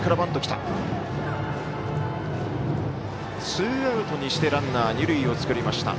ツーアウトにしてランナー、二塁を作りました。